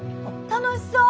楽しそう！